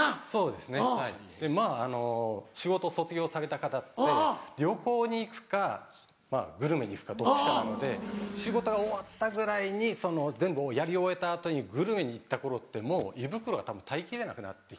でまぁあの仕事卒業された方って旅行に行くかグルメに行くかどっちかなので仕事が終わったぐらいに全部をやり終えた後にグルメに行った頃ってもう胃袋がたぶん耐え切れなくなって来てる。